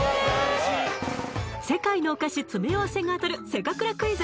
世界のお菓子詰め合わせが当たるせかくらクイズ